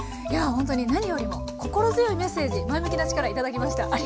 いやほんとに何よりも心強いメッセージ前向きな力頂きました。